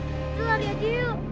jalan aja yuk